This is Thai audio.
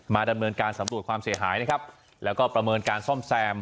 ดำเนินการสำรวจความเสียหายนะครับแล้วก็ประเมินการซ่อมแซม